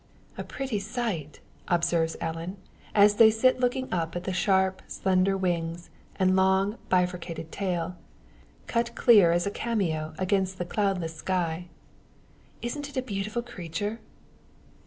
"A pretty sight!" observes Ellen, as they sit looking up at the sharp, slender wings, and long bifurcated tail, cut clear as a cameo against the cloudless sky. "Isn't it a beautiful creature?"